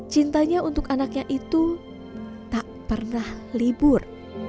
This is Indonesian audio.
cintanya untuk anaknya itu tak pernah libur